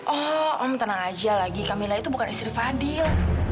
oh om tenang aja lagi camilla itu bukan istri fadil